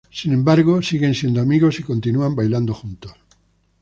Sin embargo, siguen siendo amigos y continúan bailando juntos.